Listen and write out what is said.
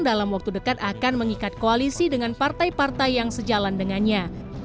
dalam waktu dekat akan mengikat koalisi dengan partai partai yang sejalan dengannya